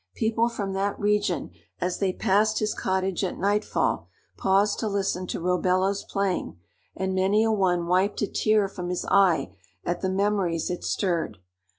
People from that region, as they passed his cottage at nightfall, paused to listen to Robello's playing, and many a one wiped a tear from his eye at the memories it stirred.